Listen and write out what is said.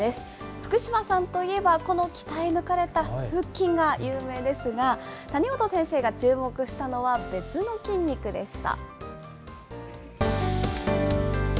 福島さんといえば、この鍛え抜かれた腹筋が有名ですが、谷本先生が注目したのは、別の筋肉でした。